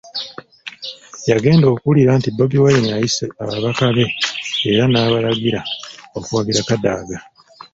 Yagenda okuwulira nti Bobi Wine ayise ababaka be era n’abalagira okuwagira Kadaga.